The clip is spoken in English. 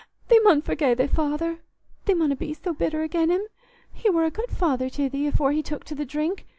Thee mun forgie thy feyther—thee munna be so bitter again' him. He war a good feyther to thee afore he took to th' drink.